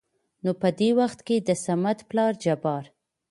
نو په د وخت کې دصمد پلار جبار